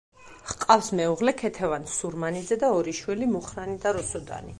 ჰყავს მეუღლე, ქეთევან სურმანიძე და ორი შვილი: მუხრანი და რუსუდანი.